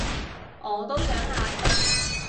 我都想係